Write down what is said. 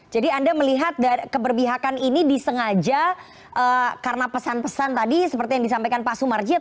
jadi anda melihat keberbihakan ini disengaja karena pesan pesan tadi seperti yang disampaikan pak sumarji